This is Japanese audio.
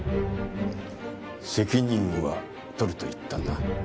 責任は取ると言ったな？